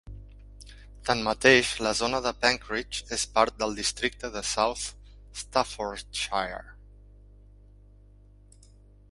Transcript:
Tanmateix, la zona de Penkridge és part del districte de South Staffordshire.